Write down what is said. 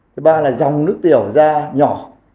thứ ba là dòng nước tiểu ra nhỏ